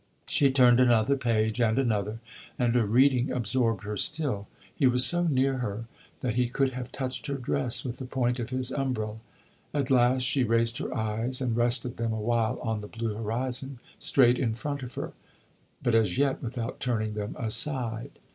She turned another page, and another, and her reading absorbed her still. He was so near her that he could have touched her dress with the point of his umbrella. At last she raised her eyes and rested them a while on the blue horizon, straight in front of her, but as yet without turning them aside.